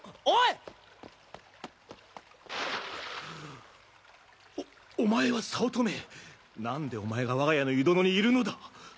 おお前は早乙女何でお前が我が家の湯殿にいるのだ！